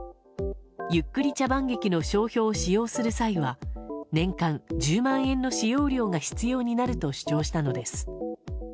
ゆっくり茶番劇の商標を使用する際は年間１０万円の使用料が必要になると主張したのです。